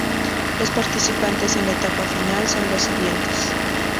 Los participantes en la etapa Final son los siguientes.